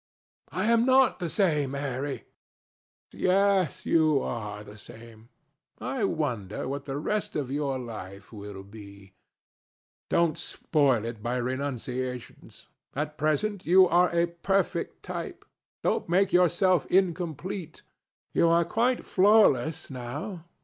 "I am not the same, Harry." "Yes, you are the same. I wonder what the rest of your life will be. Don't spoil it by renunciations. At present you are a perfect type. Don't make yourself incomplete. You are quite flawless now.